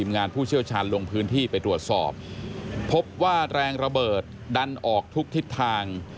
งานผู้เชี่ยวชาญลงพื้นที่ไปตรวจสอบพบว่าแรงระเบิดดันออกทุกทิศทาง